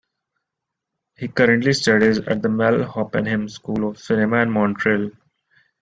He currently studies at the Mel Hoppenheim School of Cinema in Montreal.